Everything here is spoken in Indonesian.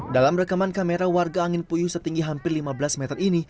dalam rekaman kamera warga angin puyuh setinggi hampir lima belas meter ini